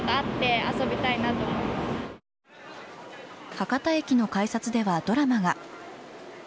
博多駅の改札ではドラマが。